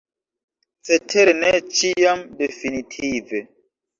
Cetere ne ĉiam definitive.